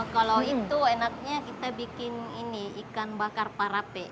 kalau itu enaknya kita bikin ini ikan bakar parape